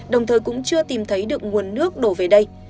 đồng thời cũng chưa tìm thấy được nguồn nước đổ về đây